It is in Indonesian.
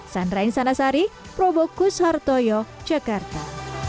sandra insanasari probokus hartoyo jakarta